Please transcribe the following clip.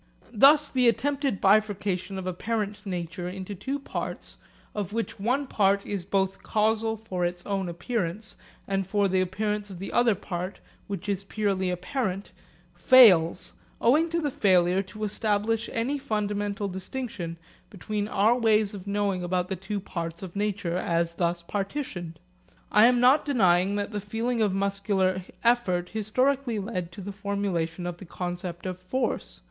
Thus the attempted bifurcation of apparent nature into two parts of which one part is both causal for its own appearance and for the appearance of the other part, which is purely apparent, fails owing to the failure to establish any fundamental distinction between our ways of knowing about the two parts of nature as thus partitioned. I am not denying that the feeling of muscular effort historically led to the formulation of the concept of force.